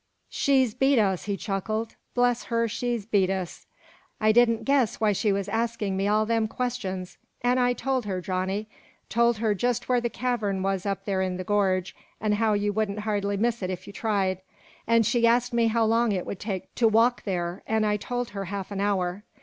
"She's beat us!" he chuckled. "Bless her, she's beat us! I didn't guess why she was askin' me all them questions. An' I told her, Johnny told her just where the cavern was up there in the gorge, an' how you wouldn't hardly miss it if you tried. An' she asked me how long it would take to walk there, an' I told her half an hour.